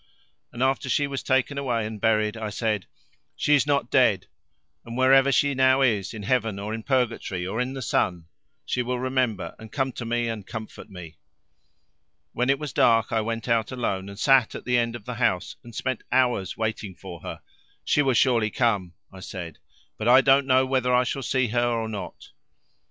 And after she was taken away and buried, I said: 'She is not dead, and wherever she now is, in heaven or in purgatory, or in the sun, she will remember and come to me and comfort me.' When it was dark I went out alone and sat at the end of the house, and spent hours waiting for her. 'She will surely come,' I said, 'but I don't know whether I shall see her or not.